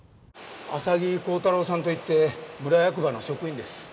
浅木浩太郎さんといって村役場の職員です。